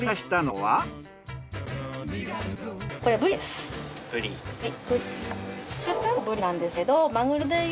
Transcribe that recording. はい。